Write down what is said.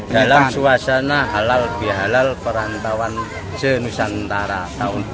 dalam suasana halal bihalal perantauan senusantara tahun dua ribu dua puluh